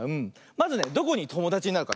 まずねどこにともだちになるか。